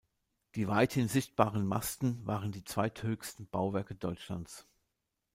Die weithin sichtbaren Masten waren die zweithöchsten Bauwerke Deutschlands.